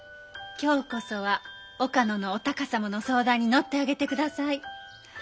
今日こそは岡野のお多賀様の相談に乗ってあげてください。